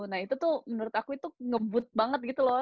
nah itu tuh menurut aku tuh ngebut banget gitu loh